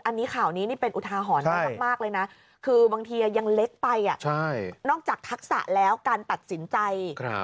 อันนี้ข่าวนี้นี่เป็นอุทาหรณ์มากเลยนะคือบางทียังเล็กไปนอกจากทักษะแล้วการตัดสินใจ